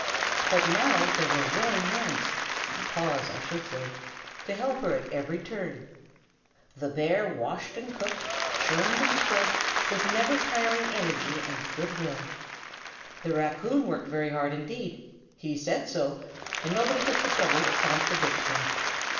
But now there were willing hands paws, I should say to help her at every turn. The bear washed and cooked, churned and scrubbed, with never tiring energy and good will. The raccoon worked very hard indeed: he said so, and nobody took the trouble to contradict him.